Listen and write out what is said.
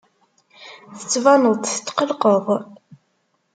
Tettbaneḍ-d tetqelqeḍ.